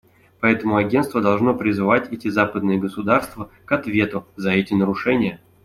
Поэтому Агентство должно призвать эти западные государства к ответу за эти нарушения.